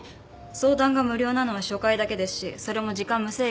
相談が無料なのは初回だけですしそれも時間無制限ではありません。